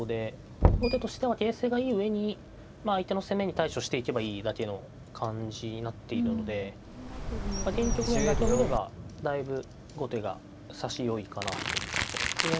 後手としては形勢がいい上に相手の攻めに対処していけばいいだけの感じになっているので現局面だけを見ればだいぶ後手が指しよいかなというところですね。